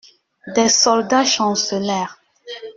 Des soldats chancelèrent.